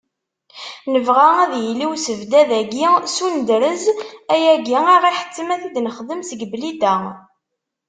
Nebɣa ad yili usebddad-agi s unedrez, ayagi ad aɣ-iḥettem ad t-id-nexdem deg Blida.